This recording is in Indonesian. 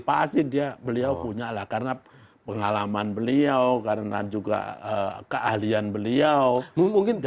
pasti beliau punya lah karena pengalaman beliau karena juga keahlian beliau dan lain sebagainya